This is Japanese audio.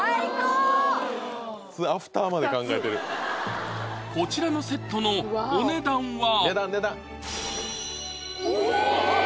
アフターまで考えてるこちらのセットのお値段はえ！